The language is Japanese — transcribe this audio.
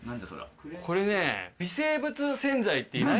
これね。